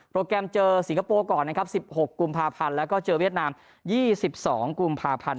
แกรมเจอสิงคโปร์ก่อนนะครับ๑๖กุมภาพันธ์แล้วก็เจอเวียดนาม๒๒กุมภาพันธ์